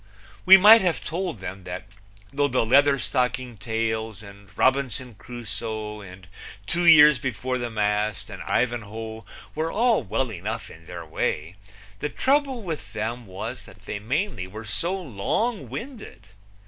We might have told them that though the Leatherstocking Tales and Robinson Crusoe and Two Years Before the Mast and Ivanhoe were all well enough in their way, the trouble with them was that they mainly were so long winded.